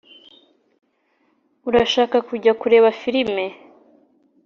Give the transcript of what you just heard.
urashaka kujya kureba firime?